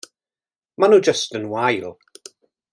Maen nhw jyst yn wael.